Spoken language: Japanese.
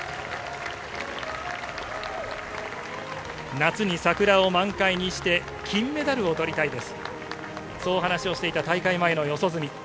夏に桜を満開にして、金メダルを取りたいです、そう話をしていた大会前の四十住。